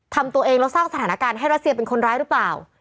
ทำตัวเองแล้วสร้างสถานการณ์ให้รัสเซียเป็นคนร้ายหรือเปล่า